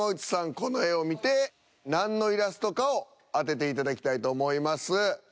この絵を見て何のイラストかを当てていただきたいと思います。